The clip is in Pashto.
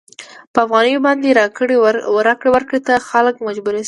په افغانیو باندې راکړې ورکړې ته خلک مجبور شي.